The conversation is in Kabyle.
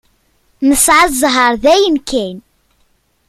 Nesɛa ẓẓher dayen kan.